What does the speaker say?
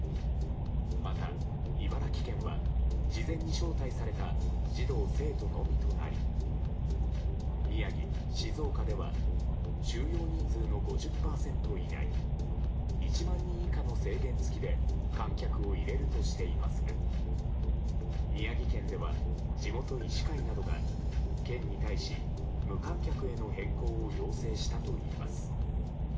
また茨城県は事前に招待された児童生徒のみとなり宮城、静岡では収容人数の５０％以内１万人以下の制限付きで観客を入れるとしていますが宮城県では地元医師会などが県に対し無観客への変更を要請したといいます。